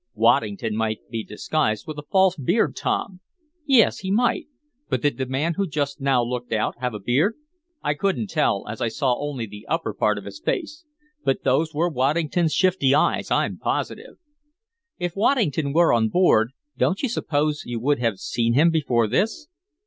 "Waddington might be disguised with a false beard, Tom." "Yes, he might. But did the man who just now looked out have a beard?" "I couldn't tell, as I saw only the upper part of his face. But those were Waddington's shifty eyes, I'm positive." "If Waddington were on board don't you suppose you would have seen him before this?"